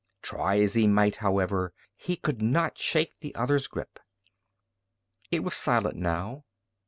Try as he might, however, he could not shake the other's grip. It was silent now.